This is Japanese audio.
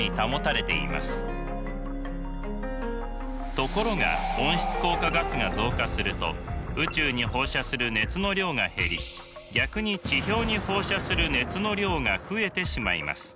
ところが温室効果ガスが増加すると宇宙に放射する熱の量が減り逆に地表に放射する熱の量が増えてしまいます。